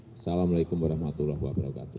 wassalamu'alaikum warahmatullahi wabarakatuh